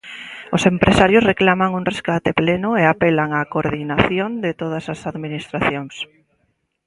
Os empresarios reclaman un rescate pleno e apelan á coordinación de todas as administracións.